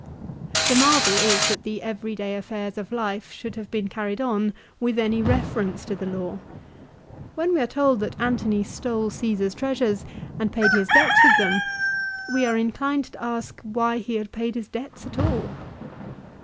The marvel is that the every day affairs of life should have been carried on with any reference to the law. When we are told that Antony stole Caesar's treasures and paid his debts with them, we are inclined to ask why he had paid his debts at all.